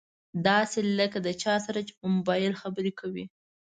داسې لکه له چا سره چې په مبايل خبرې کوي.